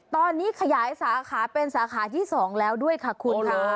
ตอนนี้ขยายสาขาเป็นสาขาที่๒แล้วด้วยค่ะคุณค่ะ